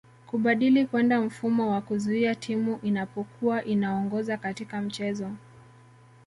Kubadili kwenda mfumo wa kuzuia Timu inapokua inaongoza katika mchezo